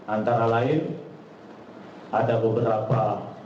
antara lain ada beberapa